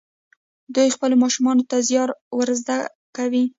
دوی خپلو ماشومانو ته زیار ور زده کوي.